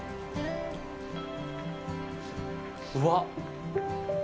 うわっ！